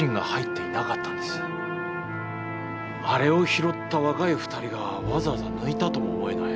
あれを拾った若い２人がわざわざ抜いたとも思えない。